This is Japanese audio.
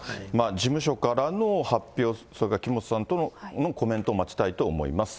事務所からの発表、それから木本さんのコメントを待ちたいと思います。